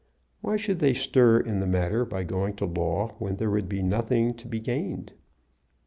Why should they stir in the matter by going to law when there would be nothing to be gained?